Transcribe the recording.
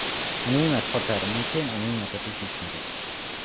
A német határ mentén a németet is ismerik.